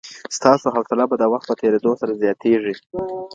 ستاسو حوصله به د وخت په تېرېدو سره زیاتیږي.